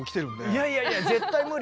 いやいやいや絶対無理。